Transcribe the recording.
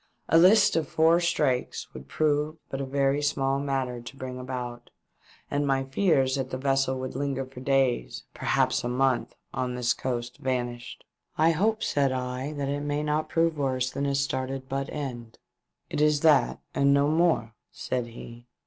A list of four strakes would prove but a very small matter to bring about, and my feaiB that the vessel would linger for days, perhaps for a month, on this coast vanished. " I hope," said I, "it may not prove worse than a started butt end." "It is that, and no more," said he.